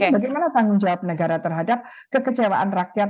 bagaimana tanggung jawab negara terhadap kekecewaan rakyat